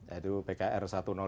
yaitu pkr satu ratus dua